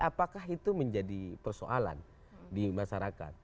apakah itu menjadi persoalan di masyarakat